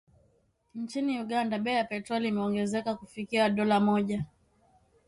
Nchini Uganda bei ya petroli imeongezeka kufikia dola moja